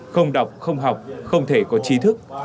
không đọc không học không thể có trí thức